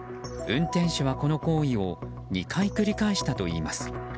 運転手は、この行為を２回繰り返したといいます。